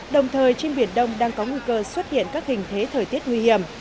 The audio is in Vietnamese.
đồng thời trên biển đông đang có nguy cơ xuất hiện các hình thế thời tiết nguy hiểm